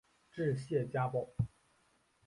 治谢家堡。